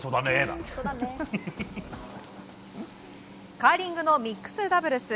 カーリングのミックスダブルス。